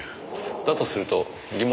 だとすると疑問が１つ。